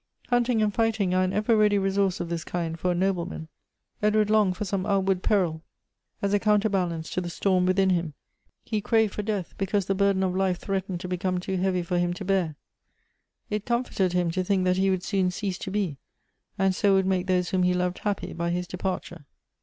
Hunting and fighting are an ever ready resource of this kind for a nobleman ; Edward longed for some outward peril, as a 152 Goethe's counterbalance to the storm within him. He craved for deaths because the burden of life threatened to become too heavy for him to bear. It comforted him to think that he wouW soon cease to be, and so would make those whom he loved happy by his departure.